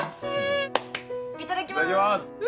いただきます。